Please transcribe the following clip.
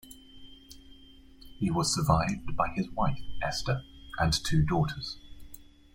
He was survived by his wife, Esther, and two daughters.